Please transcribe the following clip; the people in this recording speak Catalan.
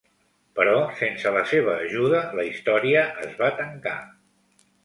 Però sense la seva ajuda la història es va tancar.